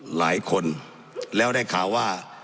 หลายคนแล้วได้ข่าวว่า